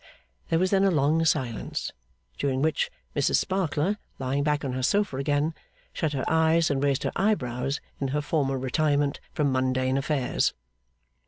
There was then a long silence; during which, Mrs Sparkler, lying back on her sofa again, shut her eyes and raised her eyebrows in her former retirement from mundane affairs.